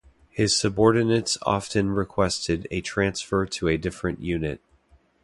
His subordinates often requested a transfer to a different unit.